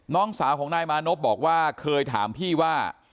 น้องสาวของนายมานพบอกว่าเคยถามพี่ว่า